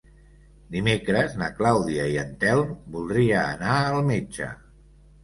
Dimecres na Clàudia i en Telm voldria anar al metge.